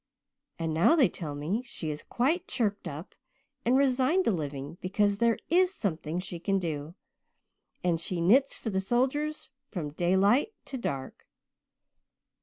And now they tell me she is quite chirked up and resigned to living because there is something she can do, and she knits for the soldiers from daylight to dark.